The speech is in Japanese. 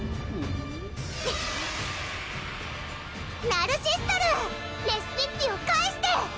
ナルシストルーレシピッピを返して！